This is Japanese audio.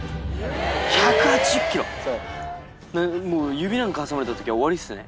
指なんか挟まれた時は終わりっすね。